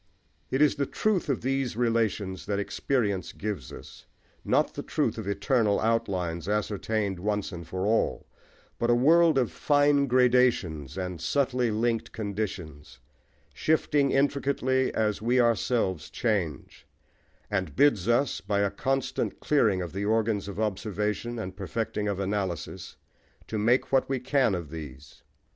It is the truth of these relations that experience gives us, not the truth of eternal outlines ascertained once for all, but a world of fine gradations and subtly linked conditions, shifting intricately as we ourselves change and bids us, by a constant clearing of the organs of observation and perfecting of analysis, to make what we can of these.